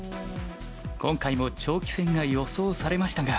今回も長期戦が予想されましたが。